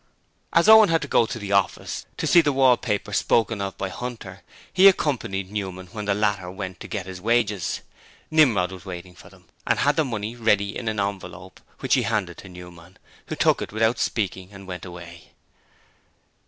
As Owen had to go to the office to see the wallpaper spoken of by Hunter, he accompanied Newman when the latter went to get his wages. Nimrod was waiting for them, and had the money ready in an envelope, which he handed to Newman, who took it without speaking and went away.